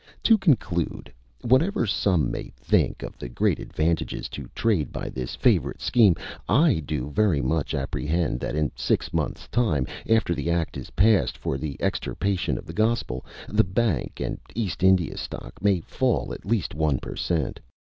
To conclude, whatever some may think of the great advantages to trade by this favourite scheme, I do very much apprehend that in six months' time after the Act is passed for the extirpation of the Gospel, the Bank and East India stock may fall at least one per cent.